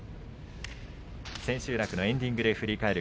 千秋楽のエンディングで振り返る